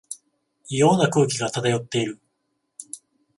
異様な空気が漂っている